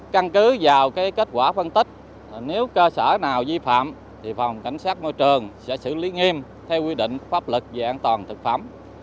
căn cứ vào kết quả phân tích nếu cơ sở nào vi phạm thì phòng cảnh sát môi trường sẽ xử lý nghiêm theo quy định pháp luật về an toàn thực phẩm